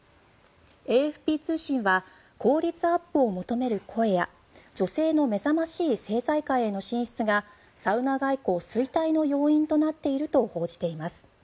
ＡＦＰ通信は効率アップを求める声や女性の目覚ましい政財界への進出がサウナ外交衰退の要因となっていると報じています。